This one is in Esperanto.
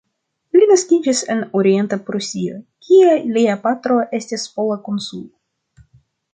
Li naskiĝis en Orienta Prusio, kie lia patro estis pola konsulo.